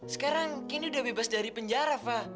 sekarang candy udah bebas dari penjara fah